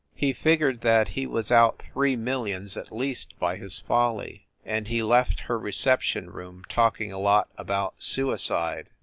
He figured that he was out three millions at least by his folly, and he left her reception room talking a lot about suicide.